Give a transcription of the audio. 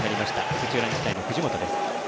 土浦日大の藤本です。